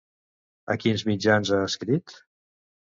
A quins mitjans ha escrit?